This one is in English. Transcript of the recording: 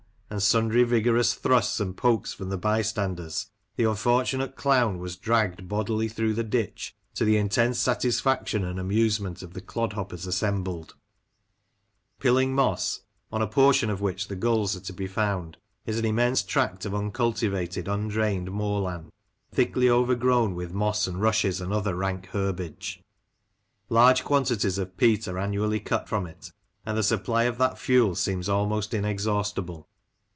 " and sundry vigor ous thrusts and pokes from the bystanders, the unfortunate clown was dragged bodily through the ditch, to the intense satisfaction and amusement of the clodhoppers assembled. 46 Lancashire Characters and Places, Pilling Moss, on a portion of which the gulls are to be found, is an immense tract of uncultivated, undrained moor land, thickly overgrown with moss and rushes and other rank herbage. Large quantities of peat are annually cut from it, and the supply of that fuel seems almost inex haustible.